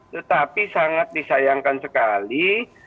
tetapi sangat disayangkan sekali